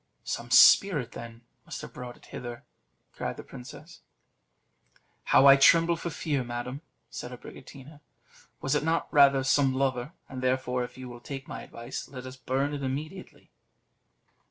"Some spirit, then, must have brought it hither," cried the princess. "How I tremble for fear, madam!" said Abricotina. "Was it not rather some lover? And therefore, if you will take my advice, let us burn it immediately."